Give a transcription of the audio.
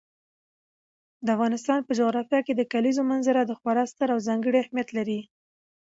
د افغانستان په جغرافیه کې د کلیزو منظره خورا ستر او ځانګړی اهمیت لري.